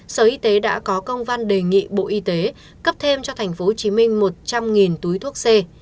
sở y tế đã có công văn đề nghị bộ y tế cấp thêm cho tp hcm một trăm linh túi thuốc c